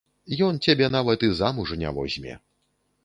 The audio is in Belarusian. Ён цябе нават і замуж не возьме.